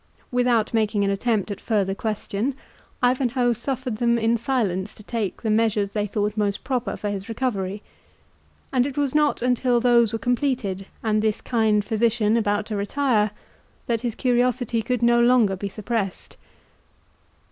Without making an attempt at further question, Ivanhoe suffered them in silence to take the measures they thought most proper for his recovery; and it was not until those were completed, and this kind physician about to retire, that his curiosity could no longer be suppressed.